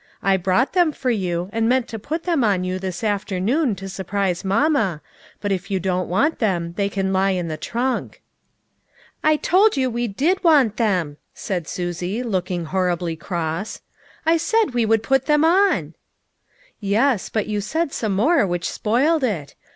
I brought them for you, and meant to put them on you this afternoon to sur prise mamma, but if you don't want them, they can lie in the trunk." " I told you we did want them," said Susie, looking horribly cross. " I said we would put them on." " Yes, but you said some more which spoiled it.